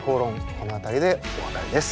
この辺りでお別れです。